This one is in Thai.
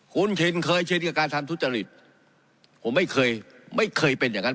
คุณชินเคยชินกับการทำทุจริตผมไม่เคยไม่เคยเป็นอย่างนั้น